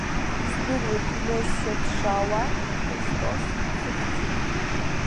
Издыруеит Мессиа дшаауа, Христос захьӡу.